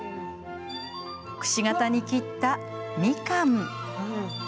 くし形に切った、みかん。